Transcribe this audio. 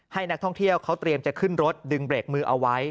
ให้นักท่องเที่ยวเขาเตรียมจะขึ้นรถดึงเบรกมือเอาไว้